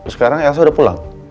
sekarang elsa udah pulang